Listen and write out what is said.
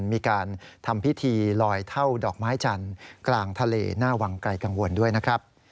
มีการทำพิธีลอยเท่าดอกไม้จันทร์กลางทะเลหน้าวังไกลกังวลด้วยนะครับ